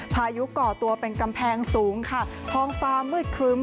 พายุก่อตัวเป็นกำแพงสูงค่ะท้องฟ้ามืดครึ้ม